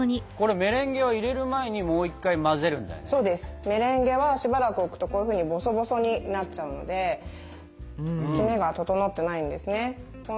メレンゲはしばらく置くとこういうふうにボソボソになっちゃうのできめが整ってないんですね。